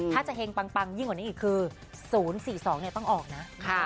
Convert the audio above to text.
ถ้าจะเฮงปังยิ่งกว่านี้อีกคือ๐๔๒ต้องออกนะ